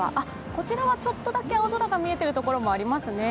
こちらはちょっとだけ青空の見えている所がありますね。